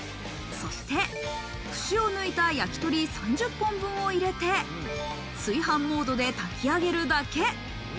そして串を抜いた焼き鳥３０本分を入れて、炊飯モードで炊き上げるだけ。